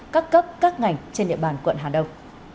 các cấp các ngành trên địa bàn quận hà đông